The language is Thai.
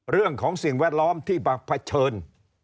เรื่องของสิ่งแวดล้อมที่มาเผชิญ